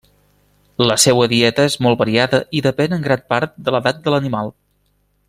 La seua dieta és molt variada i depèn en gran part de l'edat de l'animal.